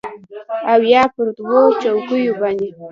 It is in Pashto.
او یا پر دوو چوکیو باندې